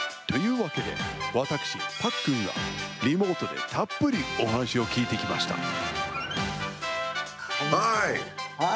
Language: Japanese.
というわけで私、パックンが、リモートでたっぷりお話を聞いてきました。